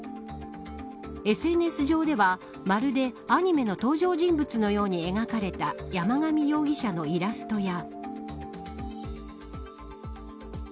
ＳＮＳ上ではまるでアニメの登場人物のように描かれた山上容疑者のイラストや。